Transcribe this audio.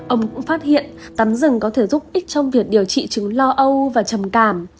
ông cũng phát hiện tắm rừng có thể giúp ích trong việc điều trị chứng lo âu và trầm cảm